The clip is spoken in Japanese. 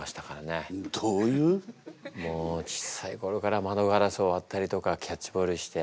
もうちっさい頃から窓ガラスを割ったりとかキャッチボールして。